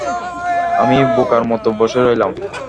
আমি বোকার মতো বসে রইলাম।